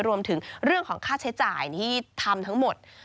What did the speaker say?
รวมถึงเรื่องของค่าใช้จ่ายที่ทำทั้งหมด